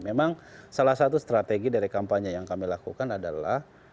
memang salah satu strategi dari kampanye yang kami lakukan adalah